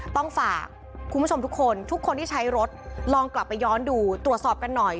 ต้องฝากคุณผู้ชมทุกคนทุกคนที่ใช้รถลองกลับไปย้อนดูตรวจสอบกันหน่อย